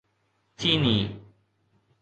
چيني